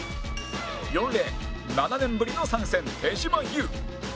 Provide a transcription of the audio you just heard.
４レーン７年ぶりの参戦手島優